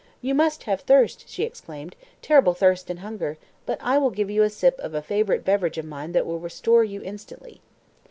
"You must have thirst!" she exclaimed, "terrible thirst and hunger; but I will give you a sip of a favourite beverage of mine that will restore you instantly."